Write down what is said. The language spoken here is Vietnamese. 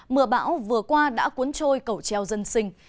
mưa bão vừa qua đã cuốn trôi cầu treo dân sinh